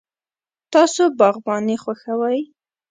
تاسو باغباني خوښوئ؟